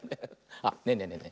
あっねえねえねえね